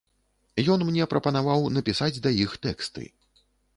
Ён мне прапанаваў напісаць да іх тэксты.